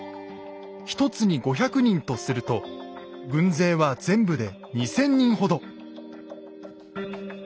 １つに５００人とすると軍勢は全部で２，０００人ほど。